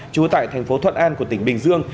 trú tại thành phố thuận an của tỉnh bình dương